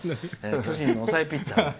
巨人の抑えピッチャー。